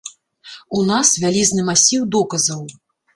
У нас вялізны масіў доказаў.